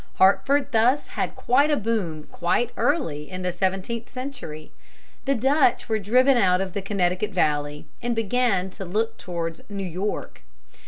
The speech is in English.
Hartford thus had quite a boom quite early in the seventeenth century. The Dutch were driven out of the Connecticut Valley, and began to look towards New York.